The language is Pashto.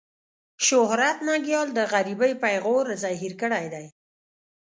شهرت ننګيال د غريبۍ پېغور زهير کړی دی.